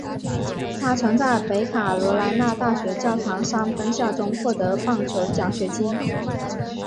他曾在北卡罗来纳大学教堂山分校中获得棒球奖学金。